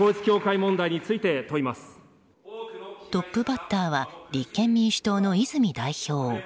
トップバッターは立憲民主党の泉代表。